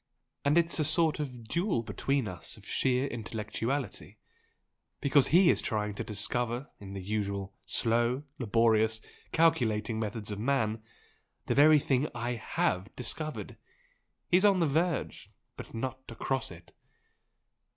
And it's a sort of duel between us of sheer intellectuality, because he is trying to discover in the usual slow, laborious, calculating methods of man the very thing I HAVE discovered! He's on the verge But not across it!"